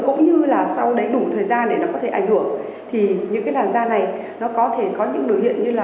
cũng như là sau đấy đủ thời gian để nó có thể ảnh hưởng thì những cái làn da này nó có thể có những biểu hiện như là